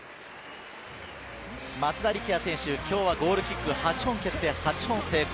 松田力也選手、今日はゴールキック８本蹴って、８本成功。